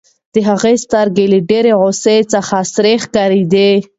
د هغه سترګې له ډېرې غوسې څخه سرې ښکارېدې.